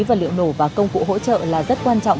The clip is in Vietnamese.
vật liệu nổ và công cụ hỗ trợ là rất quan trọng